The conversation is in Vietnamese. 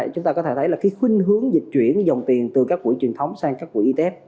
chúng ta có thể thấy là khuyến hướng dịch chuyển dòng tiền từ các quỹ truyền thống sang các quỹ etf